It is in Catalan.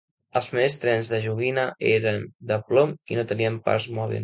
Els primers trens de joguina eren de plom i no tenien parts mòbils.